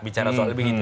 bicara soal lebih gitu